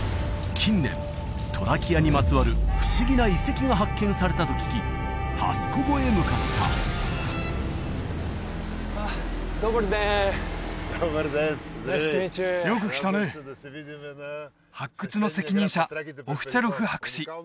近年トラキアにまつわる不思議な遺跡が発見されたと聞きハスコヴォへ向かったドバルデンナイストゥミーチューよく来たね発掘の責任者オフチャロフ博士